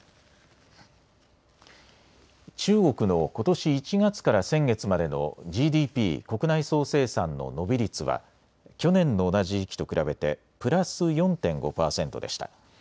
中国のことし１月から先月までのＧＤＰ・国内総生産の伸び率は去年の同じ時期と比べてプラス４．５％でした。